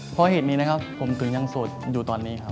เพราะเหตุนี้นะครับผมถึงยังโสดอยู่ตอนนี้ครับ